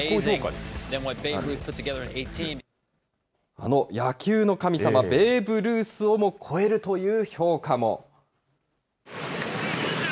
あの野球の神様、ベーブ・ルースをも超えるという評価も。